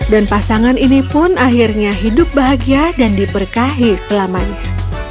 dan pasangan ini pun akhirnya hidup bahagia dan diberkahi selamanya